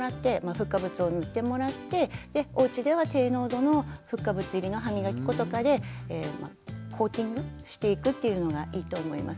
フッ化物を塗ってもらっておうちでは低濃度のフッ化物入りの歯みがき粉とかでコーティングしていくっていうのがいいと思います。